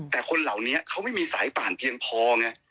แต่คนเหล่านี้เขาไม่มีสายป่านเพียงพอไง